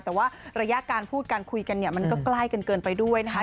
แต่ว่าระยะการพูดกันคุยกันมันก็ใกล้เกินไปด้วยนะคะ